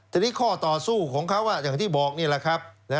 ทีนี้ข้อต่อสู้ของเขาอย่างที่บอกนี่แหละครับ